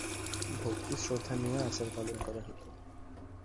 ভক্তি, শ্রদ্ধা নিয়ে আচার পালন করা হতো।